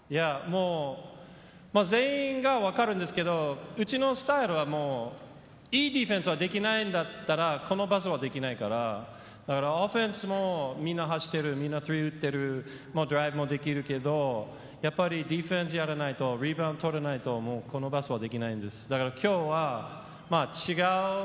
全員がわかるんですけど、うちのスタイルはいいディフェンスができないんだったら、このパスはできないから、オフェンスもみんな走っている、みんなスリー打ってる、ドライブもできるけど、ディフェンスやらないと、リバウンド取れないと、このバスケはできないです。